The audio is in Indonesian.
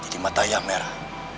jadi mata ayah merah